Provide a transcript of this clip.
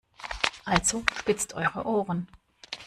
Also spitzt eure Ohren!